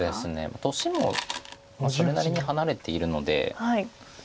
年もそれなりに離れているので。